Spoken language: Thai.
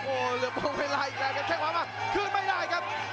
โอ้โหเหลือเวลาเวลาอีกแล้วแล้วกันแค่ขวามาคืนไม่ได้ครับ